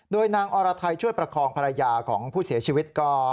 โดยนางอรไทยช่วยประคองภรรยาของผู้เสียชีวิตก็